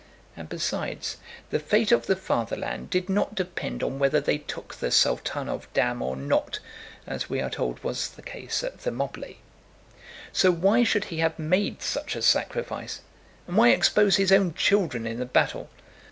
And besides, the fate of the Fatherland did not depend on whether they took the Saltánov dam or not, as we are told was the case at Thermopylae. So why should he have made such a sacrifice? And why expose his own children in the battle?